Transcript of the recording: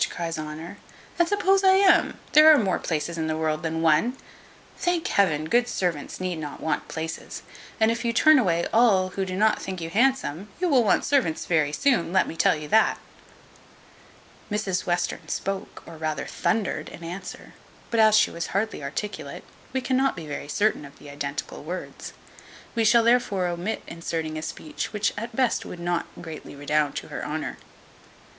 cries Honour; "and suppose I am: there are more places in the world than one. Thank Heaven, good servants need not want places; and if you turn away all who do not think you handsome, you will want servants very soon; let me tell you that." Mrs Western spoke, or rather thundered, in answer; but as she was hardly articulate, we cannot be very certain of the identical words; we shall therefore omit inserting a speech which at best would not greatly redound to her honour.